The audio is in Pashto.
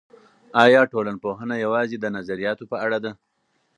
ایا ټولنپوهنه یوازې د نظریاتو په اړه ده؟